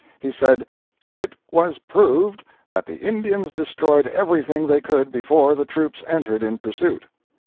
He said, "IT WAS PROVED that the Indians destroyed everything they could before the troops entered in pursuit."